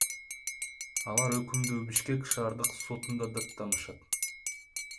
Алар өкүмдү Бишкек шаардык сотунда даттанышат.